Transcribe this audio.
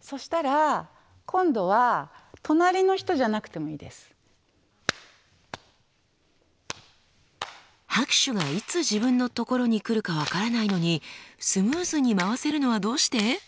そしたら拍手がいつ自分のところに来るか分からないのにスムーズに回せるのはどうして？